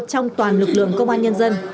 trong toàn lực lượng công an nhân dân